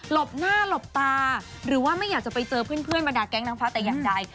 บหน้าหลบตาหรือว่าไม่อยากจะไปเจอเพื่อนบรรดาแก๊งนางฟ้าแต่อย่างใด